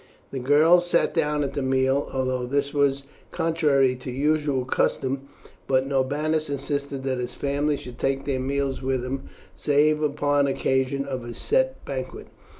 The girls sat down at the meal, although this was contrary to usual custom; but Norbanus insisted that his family should take their meals with him, save upon occasions of a set banquet.